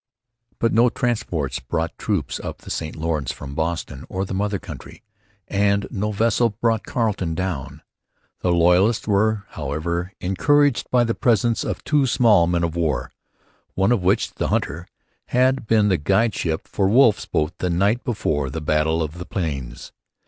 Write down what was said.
But no transports brought troops up the St Lawrence from Boston or the mother country, and no vessel brought Carleton down. The loyalists were, however, encouraged by the presence of two small men of war, one of which, the Hunter, had been the guide ship for Wolfe's boat the night before the Battle of the Plains.